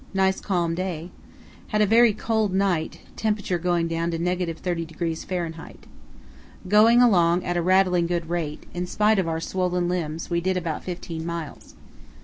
Nice calm day. Had a very cold night, temperature going down to –30° Fahr. Going along at a rattling good rate; in spite of our swollen limbs we did about fifteen miles.